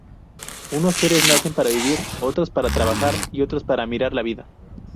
Unos seres nacen para vivir, otros para trabajar, y otros para mirar la vida.